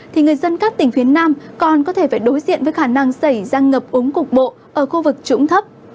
thì người dân các tỉnh phía nam còn có thể phải đối diện với khả năng xảy ra ngập ống cục bộ ở khu vực trũng thấp